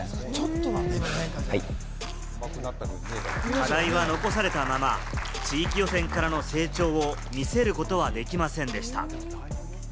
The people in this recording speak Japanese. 課題は残されたまま、地域予選からの成長を見せることはできませんでした。